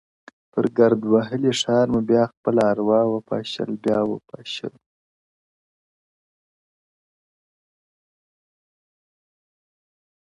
پر ګرد وهلي ښار مو بیا خپله اروا وپاشل ـ بیا وپاشل ـ